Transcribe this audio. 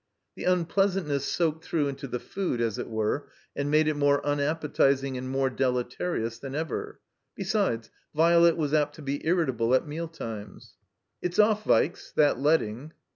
The unpleasantness soaked through into the food, as it were, and made it more unappetizing and more deleterious than ever. Besides, Violet was apt to be irritable at meal times. "It's off, Vikes, that letting."